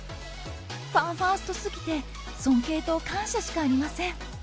ファンファーストすぎて、尊敬と感謝しかありません。